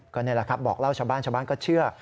ก็นี่แหละครับบอกเล่าชาวบ้านชาวบ้านก็เชื่อ